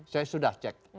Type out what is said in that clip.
saya sudah cek